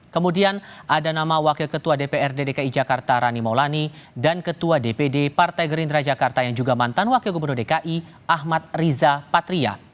kemudian ada nama wakil ketua dpr dki jakarta rani maulani dan ketua dpd partai gerindra jakarta yang juga mantan wakil gubernur dki ahmad riza patria